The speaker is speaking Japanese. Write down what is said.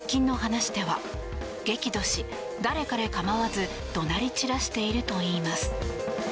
ＣＮＮが伝えた側近の話では激怒し、誰彼構わず怒鳴り散らしているといいます。